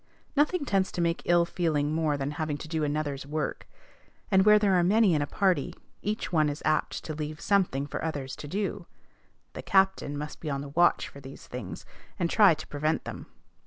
Nothing tends to make ill feeling more than having to do another's work; and, where there are many in a party, each one is apt to leave something for others to do. The captain must be on the watch for these things, and try to prevent them.